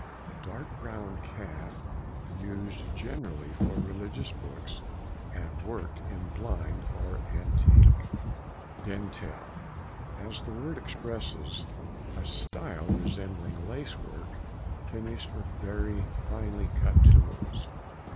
—A dark brown calf used generally for religious books, and worked in blind or antique. DENTELLE.—As the word expresses. A style resembling lace work, finished with very finely cut tools.